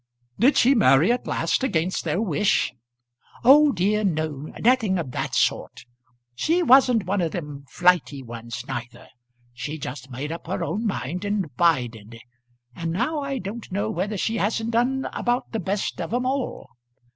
"Did she marry at last against their wish?" "Oh dear, no; nothing of that sort. She wasn't one of them flighty ones neither. She just made up her own mind and bided. And now I don't know whether she hasn't done about the best of 'em all.